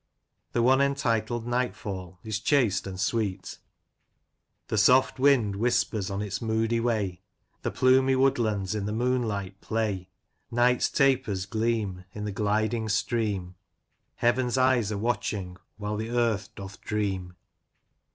The one entitled " Nightfall " is chaste and sweet ;— The soft wind whispers on its moody way ; The plumy woodlands in the moonlight play ; Night's tapers gleam In the gliding stream ; Heaven's eyes are watching while the earth doth dream.